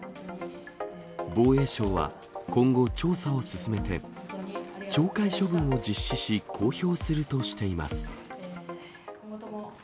防衛省は、今後調査を進めて、懲戒処分を実施し、公表するとしています。